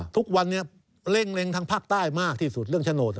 ทุกวันเนี่ยเร่งทางภาคใต้มากที่สุดเรื่องชโนธ